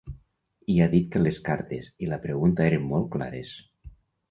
I ha dit que les cartes i la pregunta eren molt clares.